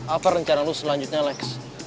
apa rencana lu selanjutnya lex